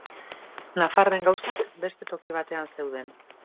Nafarraren gauzak beste toki batean zeuden.